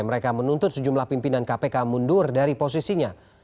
mereka menuntut sejumlah pimpinan kpk mundur dari posisinya